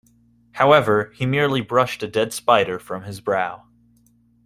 However, he merely brushed a dead spider from his brow.